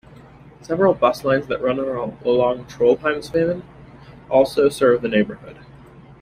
Several bus lines that run along Trondheimsveien also serve the neighbourhood.